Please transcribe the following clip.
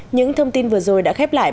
những thông tin vừa rồi đã khép lại